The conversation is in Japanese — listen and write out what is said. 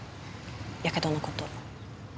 やけどのこと。